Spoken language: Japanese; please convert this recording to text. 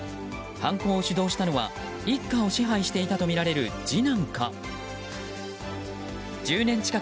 犯行を主導したのは一家を支配していたとみられるこんにちは。